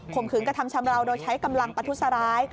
มขืนกระทำชำราวโดยใช้กำลังประทุษร้าย